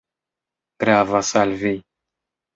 Gravas al vi.